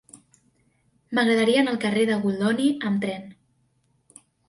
M'agradaria anar al carrer de Goldoni amb tren.